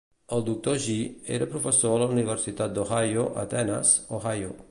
El doctor Gyi era professor a la Universitat d'Ohio a Atenes, Ohio.